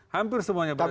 hampir semuanya berhenti